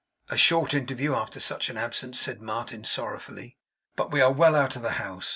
'A short interview after such an absence!' said Martin, sorrowfully. 'But we are well out of the house.